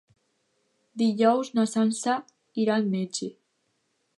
Dijous na Sança irà al metge.